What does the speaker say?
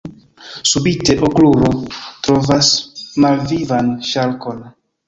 Subite, Okrulo trovas malvivan ŝarkon.